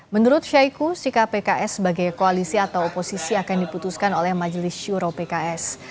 menurut syahiku sikap pks sebagai koalisi atau oposisi akan diputuskan oleh majelis syuro pks